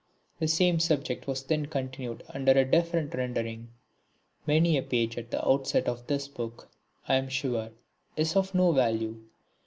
The same subject was then continued under a different rendering. Many a page at the outset of this Book, I am sure, is of no value.